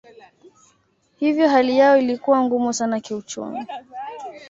Hivyo hali yao ilikuwa ngumu sana kiuchumi.